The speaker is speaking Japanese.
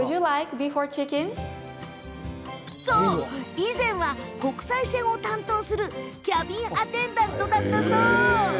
以前は国際線を担当するキャビンアテンダントだったそう。